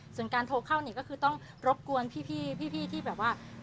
ส่วนการโทรเข้านี่ก็คือต้องรบกวนพี่ที่แบบว่า